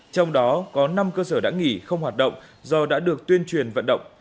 trong đó có năm cơ sở đã nghỉ không hoạt động do đã được tuyên truyền vận động